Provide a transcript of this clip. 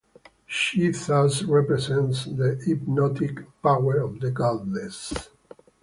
She thus represents the hypnotic power of the Goddess.